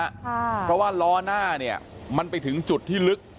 เพราะว่าล้อหน้าเนี่ยมันไปถึงจุดที่ลึก